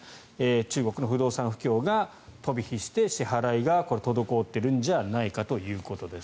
中国の不動産不況が飛び火して支払いが滞っているんじゃないかということです。